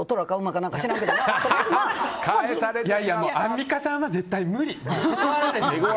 アンミカさんは絶対無理。